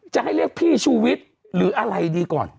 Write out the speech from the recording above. จะให้เรียกพี่ชูวิทย์หรืออะไรดีก่อน